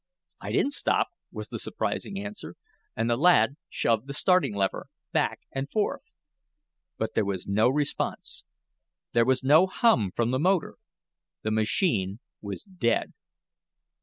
"I didn't stop," was the surprising answer, and the lad shoved the starting lever back and forth. But there was no response. There was no hum from the motor. The machine was "dead."